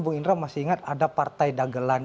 bung indra masih ingat ada partai dagelan